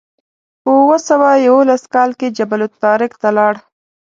په اوه سوه یوولس کال کې جبل الطارق ته لاړ.